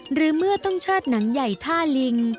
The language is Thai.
หรือเมื่อต้องเชิดหนังใหญ่ท่าลิง